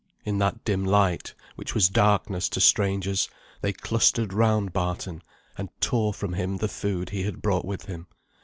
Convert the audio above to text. ] In that dim light, which was darkness to strangers, they clustered round Barton, and tore from him the food he had brought with him.